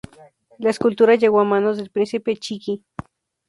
La escultura llegó a manos del príncipe Chigi.